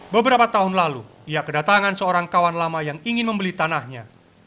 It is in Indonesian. beberapa tahun lalu ia kedatangan seorang kawan lama yang ingin membeli tanahnya